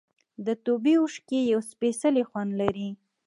د توبې اوښکې یو سپېڅلی خوند لري.